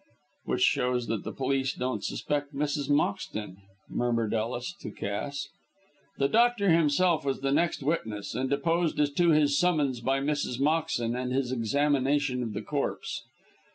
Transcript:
"Which shows that the police don't suspect Mrs. Moxton," murmured Ellis to Cass. The doctor himself was the next witness, and deposed as to his summons by Mrs. Moxton, and his examination of the corpse.